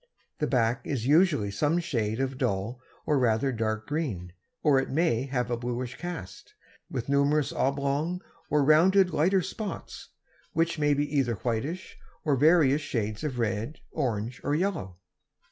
The back is usually some shade of dull or rather dark green, or it may have a bluish cast, with numerous oblong or rounded lighter spots, which may be either whitish, or various shades of red, orange or yellow.